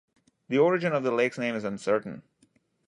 The origin of the lake's name is uncertain.